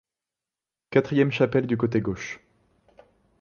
Quatrième chapelle du côté gauche.